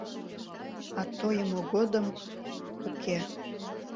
А тойымо годым... уке.